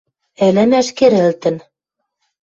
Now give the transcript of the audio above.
Ӹлӹмӓш кӹрӹлтӹн.